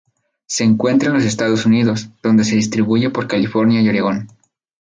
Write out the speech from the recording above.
Se encuentra en los Estados Unidos, donde se distribuye por California y Oregón.